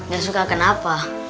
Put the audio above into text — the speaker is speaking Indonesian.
gak suka kenapa